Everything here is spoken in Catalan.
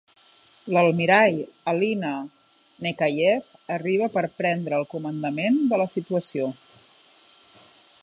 L'almirall Alynna Nechayev arriba per prendre el comandament de la situació.